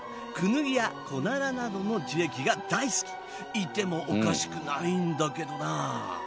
いてもおかしくないんだけどな。